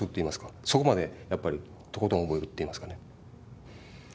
そこまでとことん覚えるっていいますかね。